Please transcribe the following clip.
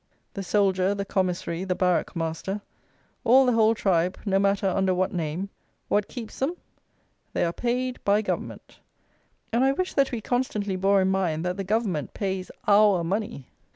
The soldier, the commissary, the barrack master, all the whole tribe, no matter under what name; what keeps them? They are paid "by Government;" and I wish that we constantly bore in mind that the "Government" pays our money.